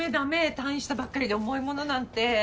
退院したばっかりで重い物なんて。